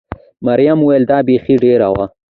مريم وویل: دا بېخي ډېر و.